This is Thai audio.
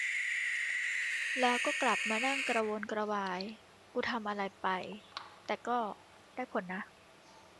แล้วก็กลับมานั่งกระวนกระวายกูทำอะไรไป แต่ก็ได้ผลนะ